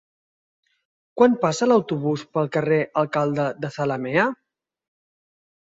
Quan passa l'autobús pel carrer Alcalde de Zalamea?